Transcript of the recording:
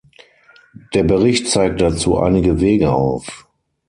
Der Bericht zeigt dazu einige Wege auf.